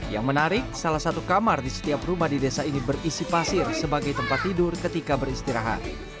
yang menarik salah satu kamar di setiap rumah di desa ini berisi pasir sebagai tempat tidur ketika beristirahat